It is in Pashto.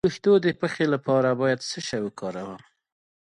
د ویښتو د پخې لپاره باید څه شی وکاروم؟